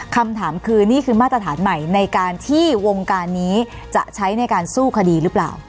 คำถามคือนี่คือมาตรฐานใหม่ในการที่วงการนี้จะใช้ในการสู้คดีหรือเปล่า